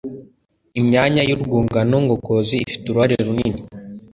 Imyanya yurwungano ngogozi ifite uruhare runini